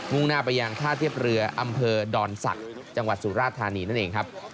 ่งหน้าไปยังท่าเทียบเรืออำเภอดอนศักดิ์จังหวัดสุราธานีนั่นเองครับ